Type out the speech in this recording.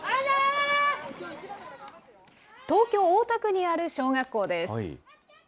東京・大田区にある小学校です。